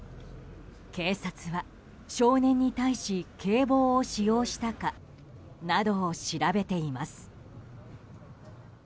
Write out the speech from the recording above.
警察は少年に対し警棒を使用したかなどを調べています。